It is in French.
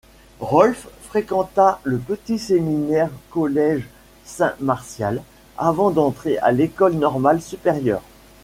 Rolph fréquenta le Petit Séminaire Collège Saint-Martial, avant d'entrer à l'École Normale Supérieure.